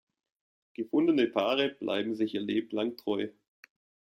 Gefundene Paare bleiben sich ihr Leben lang treu.